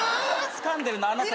つかんでるのあなた。